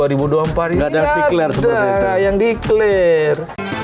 ini ada yang di clear